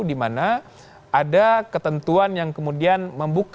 di mana ada ketentuan yang kemudian membuka